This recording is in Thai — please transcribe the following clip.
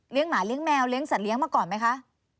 หมาเลี้ยแมวเลี้ยสัตเลี้ยงมาก่อนไหมคะ